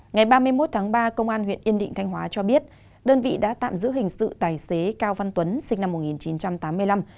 ngày ba mươi một tháng ba công an huyện yên định thanh hóa cho biết đơn vị đã tạm giữ hình sự tài xế cao văn tuấn sinh năm một nghìn chín trăm tám mươi năm